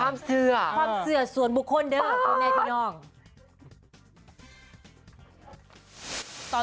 ความเสื้อส่วนบุคคลเด้อบกับแม่ที่นอก